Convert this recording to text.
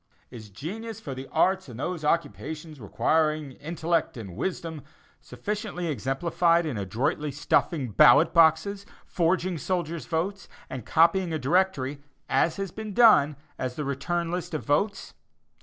"Is genius for the arts and those occupations requiring intellect and wisdom" sufficiently exemplified in adroitly stuffing ballot boxes, forging soldiers' votes, and copying a directory, as has been done, as the return list of votes?